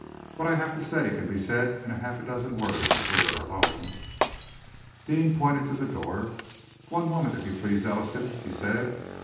What I have to say can be said in half a dozen words if we are alone." Deane pointed to the door. "One moment, if you please, Ellison," he said.